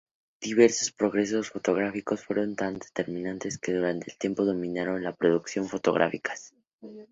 Diversos procesos fotográficos fueron tan determinantes que durante tiempo dominaron las producciones fotográficas.